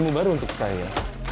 ilmu baru untuk saya